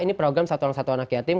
ini program satu orang satu anak yatim